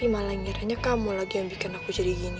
malah ngiranya kamu lagi yang bikin aku jadi gini